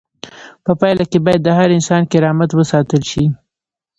په پایله کې باید د هر انسان کرامت وساتل شي.